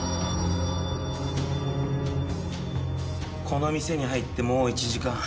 この店に入って１時間。